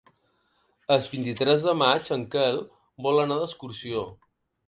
El vint-i-tres de maig en Quel vol anar d'excursió.